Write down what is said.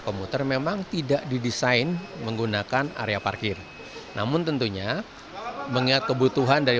komuter memang tidak didesain menggunakan area parkir namun tentunya mengingat kebutuhan dari